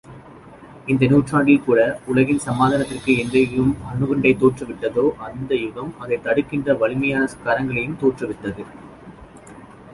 இந்த நூற்றாண்டில்கூட, உலகின் சமாதானத்திற்கு எந்தயுகம் அணுகுண்டைத் தோற்றுவித்ததோ அந்த யுகம், அதைத் தடுக்கின்ற வலிமையான கரங்களையும் தோற்றுவித்தது.